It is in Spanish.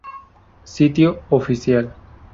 Sitio Oficial